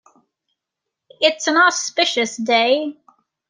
It's an auspicious day.